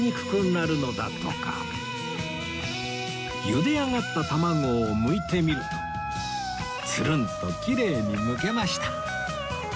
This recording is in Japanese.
ゆで上がった卵をむいてみるとツルンときれいにむけました